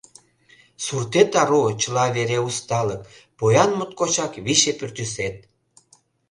Суртет ару, чыла вере усталык, Поян моткочак Виче пӱртӱсет!